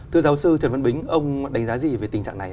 thưa giáo sư trần văn bính ông đánh giá gì về tình trạng này